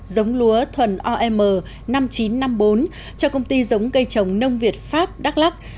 giống lúa thuần om năm nghìn chín trăm năm mươi bốn cho công ty giống cây trồng nông việt pháp đắk lắc